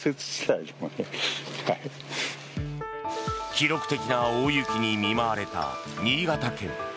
記録的な大雪に見舞われた新潟県。